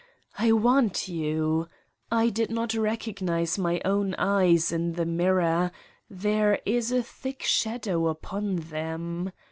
I want you ! I did not recognize my own eyes in the mirror: there is a thick shadow upon them.